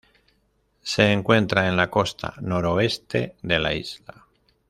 Se encuentra en la costa noroeste de la isla.